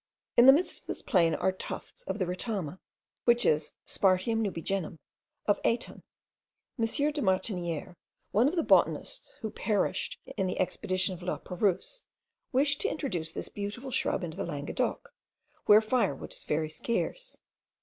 In the midst of this plain are tufts of the retama, which is the Spartium nubigenum of Aiton. M. de Martiniere, one of the botanists who perished in the expedition of Laperouse, wished to introduce this beautiful shrub into Languedoc, where firewood is very scarce.